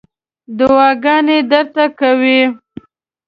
دعاګانې درته کوي.